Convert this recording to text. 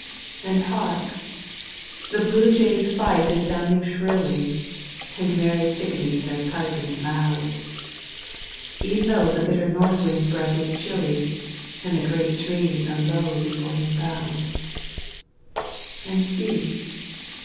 And hark! the blue jay's fife is sounding shrilly, And merry chickadees are piping loud, E'en though the bitter North wind's breath is chilly, And the great trees are low before him bow'd; And see!